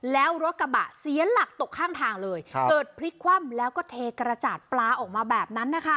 แล้วรถกระบะเสียหลักตกข้างทางเลยเกิดพลิกคว่ำแล้วก็เทกระจาดปลาออกมาแบบนั้นนะคะ